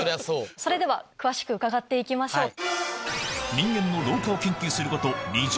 それでは詳しく伺って行きましょう。